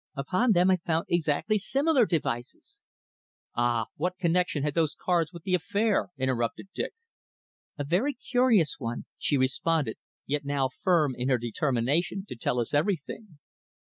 Upon them I found exactly similar devices!" "Ah! what connexion had those cards with the affair?" interrupted Dick. "A very curious one," she responded, pale, yet now firm in her determination to tell us everything.